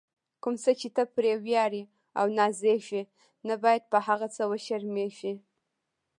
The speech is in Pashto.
کوم څه چې ته پرې ویاړې او نازېږې، نه باید په هغه وشرمېږې.